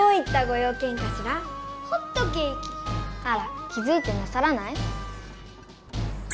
あら気づいてなさらない？